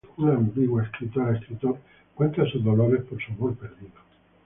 Una ambigua escritora-escritor cuenta sus dolores por su amor perdido.